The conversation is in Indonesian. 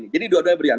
jadi dua duanya berian